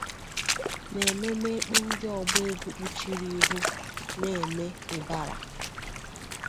Na Ememe Ekpe ndi ọgba-egwu kpuchiri ihu na-eme ibara.